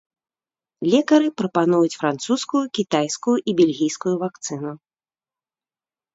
Лекары прапануюць французскую, кітайскую і бельгійскую вакцыну.